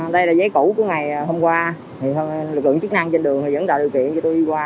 đây là giấy cũ của ngày hôm qua lực lượng chức năng trên đường dẫn tạo điều kiện cho tôi đi qua